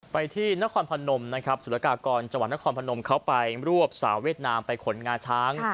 ไปที่นครพนมนะครับสุรกากรจังหวัดนครพนมเขาไปรวบสาวเวียดนามไปขนงาช้าง